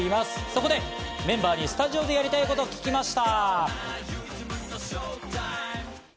ここでメンバーにスタジオでやりたいことを聞きました。